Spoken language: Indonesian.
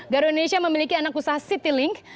garuda indonesia memiliki anak usaha city link